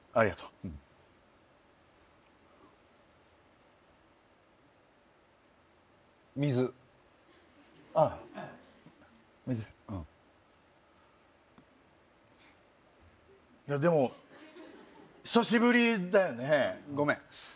うんいやでも久しぶりだよねごめん